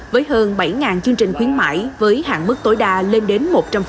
với hơn bảy chương trình khuyến mãi với hạn mức tối đa lên đến một trăm linh